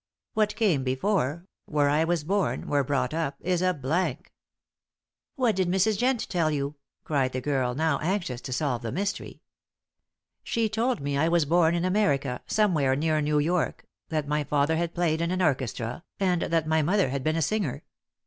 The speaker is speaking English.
What came before where I was born, where brought up is a blank." "What did Mrs. Jent tell you?" cried the girl, now anxious to solve the mystery. "She told me I was born in America, somewhere near New York, that my father had played in an orchestra, and that my mother had been a singer.